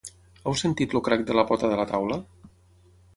Heu sentit el crac de la pota de la taula?